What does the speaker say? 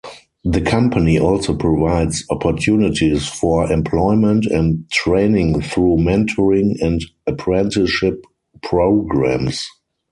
The company also provides opportunities for employment and training through mentoring and apprenticeship programs.